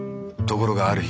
ところがある